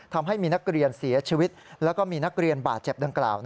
ทำให้มีนักเรียนเสียชีวิตแล้วก็มีนักเรียนบาดเจ็บดังกล่าว